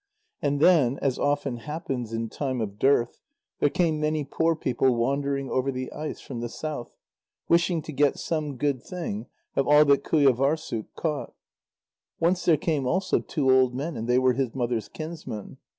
And then, as often happens in time of dearth, there came many poor people wandering over the ice, from the south, wishing to get some good thing of all that Qujâvârssuk caught. Once there came also two old men, and they were his mother's kinsmen.